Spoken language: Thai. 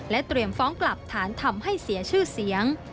เตรียมฟ้องกลับฐานทำให้เสียชื่อเสียง